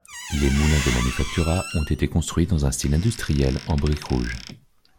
Les moulins de Manufaktura ont été construits dans un style industriel en briques rouges.